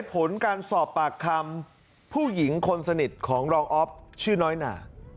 ผลการสอบปากคำผู้หญิงคนสนิทของรองอ๊อฟชื่อน้อยหนา